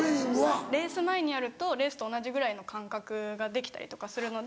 あとレース前にやるとレースと同じぐらいの感覚ができたりとかするので。